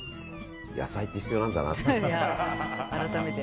野菜って必要なんだなって。